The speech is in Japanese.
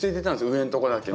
上のとこだけ。